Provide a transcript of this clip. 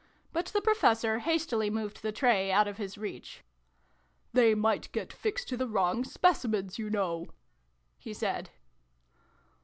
But the Professor hastily moved the tray out of his reach. " They might get fixed to the wrong Specimens, you know !" he said.